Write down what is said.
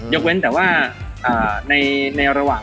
กเว้นแต่ว่าในระหว่าง